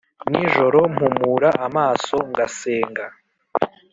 nijoro mpumura amaso ngasenga